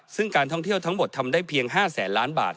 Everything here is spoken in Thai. ซึ่งการท่องเที่ยวทั้งหมดทำได้เพียง๕แสนล้านบาท